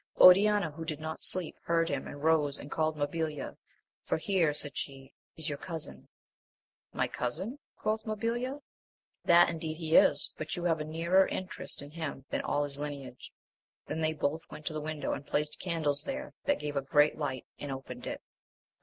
Oriana, who did not sleep, heard him and rose and called Mabilia, for here, said she, is your cousin. My cousin ? quoth Mabilia, that indeed he is, but you have a nearer interest in him than all his lineage ; then they both went to the window, and placed candles there that gave a great light, and opened it.